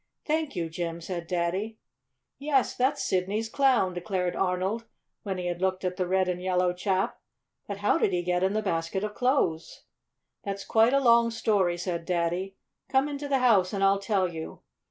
"Thank you, Jim," said Daddy. "Yes, that's Sidney's Clown," declared Arnold, when he had looked at the red and yellow chap. "But how did he get in the basket of clothes?" "That's quite a long story," said Daddy. "Come into the house and I'll tell you.